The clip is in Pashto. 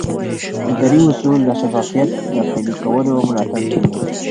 اداري اصول د شفافیت د پلي کولو ملاتړ کوي.